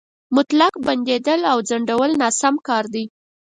مطلق بندېدل او ځنډول ناسم کار دی.